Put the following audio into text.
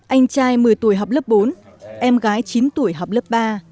anh trai một mươi tuổi học lớp bốn em gái chín tuổi học lớp ba